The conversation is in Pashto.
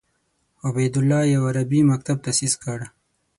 عبیدالله یو عربي مکتب تاسیس کړ.